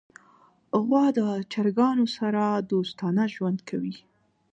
غوا د چرګانو سره دوستانه ژوند کوي.